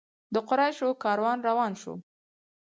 د قریشو کاروان روان شو.